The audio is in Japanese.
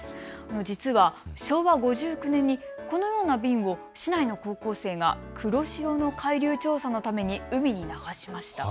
実は、昭和５９年にこのような瓶を市内の高校生が黒潮の海流調査のために海に流しました。